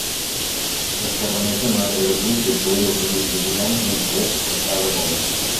La xerrameca no era gratuïta i calia oferir als visitants un fresc passar de gola.